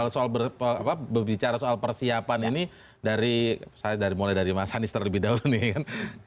soal berbicara soal persiapan ini dari saya mulai dari mas hanis terlebih dahulu nih kan